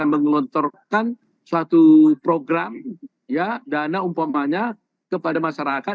mengelontorkan suatu program dana umpamanya kepada masyarakat